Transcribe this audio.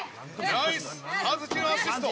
ナイス、葉月のアシスト。